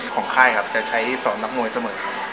ของค่ายจะใช้ที่สองนักมวยเสมอ